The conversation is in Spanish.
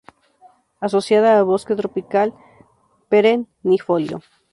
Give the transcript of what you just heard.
Asociada a bosque tropical perennifolio.